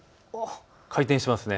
回転しますね。